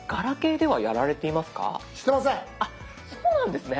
あっそうなんですね。